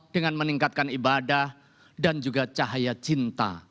dengan meningkatkan ibadah dan juga cahaya cinta